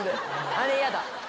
あれやだ。